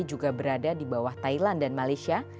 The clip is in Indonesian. juga berada di bawah thailand dan malaysia